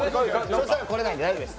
そしたら来れないんで大丈夫です。